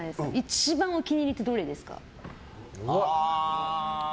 一番お気に入りってどれですか？